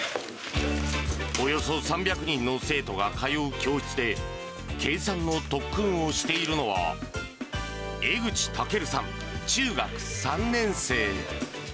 およそ３００人の生徒が通う教室で、計算の特訓をしているのは、江口尊琉さん中学３年生。